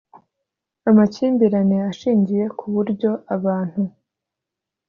Amakimbirane ashingiye ku buryo abantu